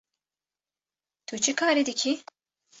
Tu çi karî dikî?